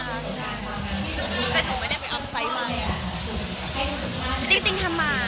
มันเหมือนกับมันเหมือนกับมันเหมือนกับ